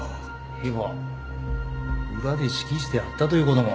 では裏で指揮してあったということも。